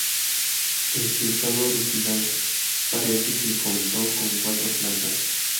En su estado original parece que contó con cuatro plantas.